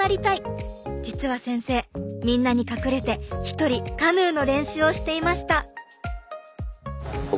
実は先生みんなに隠れて一人カヌーの練習をしていました。